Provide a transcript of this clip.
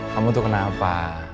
kamu tuh kenapa